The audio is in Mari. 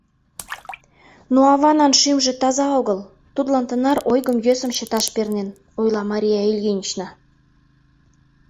— Но аванан шӱмжӧ таза огыл, тудлан тынар ойгым-йосым чыташ пернен, — ойла Мария Ильинична.